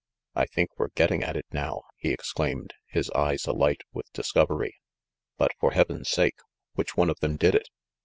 "I think we're getting at it now !" he exclaimed, his eyes alight with discovery. "But, for heaven's sake, which one of them did it?